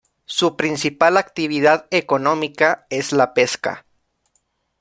Su principal actividad económica es la pesca.